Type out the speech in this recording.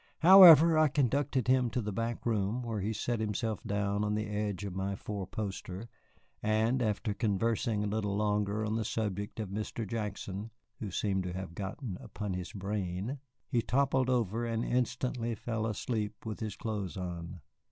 However, I conducted him to the back room, where he sat himself down on the edge of my four poster, and after conversing a little longer on the subject of Mr. Jackson (who seemed to have gotten upon his brain), he toppled over and instantly fell asleep with his clothes on.